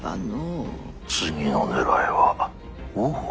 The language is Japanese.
次の狙いは大奥。